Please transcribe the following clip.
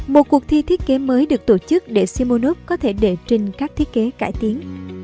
một cuộc thi thiết kế mới được tổ chức để simonov có thể đệ trình các thiết kế cải tiến